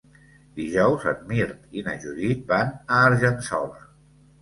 Dijous en Mirt i na Judit van a Argençola.